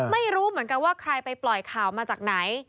ไม่รู้เหมือนกันว่าใครไปปล่อยข่าวมาจากไหน